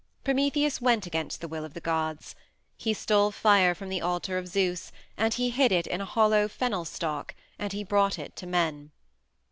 Prometheus went against the will of the gods. He stole fire from the altar of Zeus, and he hid it in a hollow fennel stalk, and he brought it to men.